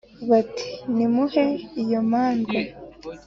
Bati: "Nimuhe iyo mandwa,